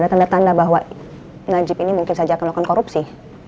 ada tanda tanda bahwa najib ini mungkin saja akan melakukan korupsi